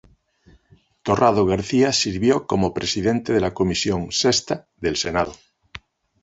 Torrado García sirvió como presidente de la comisión sexta del senado.